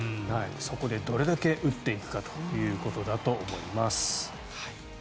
そこでどれだけ打っていくかということだと思います。